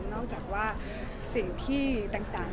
นอกจากว่าสิ่งที่ต่าง